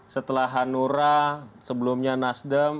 setelah hanura sebelumnya nasdem